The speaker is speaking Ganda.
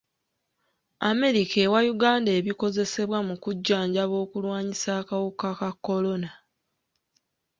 America ewa Uganda ebikozesebwa mu kujjanjaba okulwanyisa akawuka ka kolona.